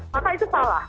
maka itu salah